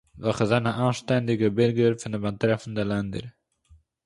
וועלכע זענען אַנשטענדיגע בירגערס פון די באַטרעפנדע לענדער